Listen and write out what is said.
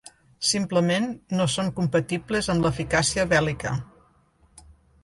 Simplement, no són compatibles amb l'eficàcia bèl·lica.